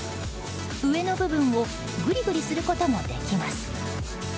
上の部分をぐりぐりすることもできます。